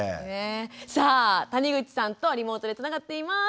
さあ谷口さんとリモートでつながっています。